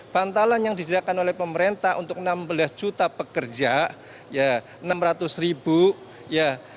bantalan yang disediakan oleh pemerintah untuk enam belas juta pekerja ya enam ratus ribu ya